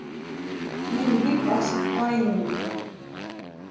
Мин бик асыҡҡайным...